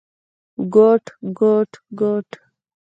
کوټ، کوټ ، کوټ ….